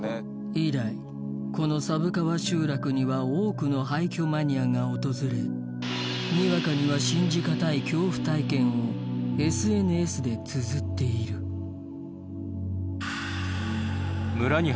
以来この寒川集落には多くの廃墟マニアが訪れにわかには信じ難い恐怖体験をＳＮＳでつづっている一体